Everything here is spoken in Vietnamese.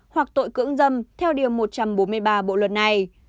hoặc tội cưỡng dâm theo điều một trăm bốn mươi ba bộ luật này